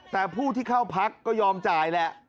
แต่ผู้ที่เข้าพักก็ยอมจ่ายแหละ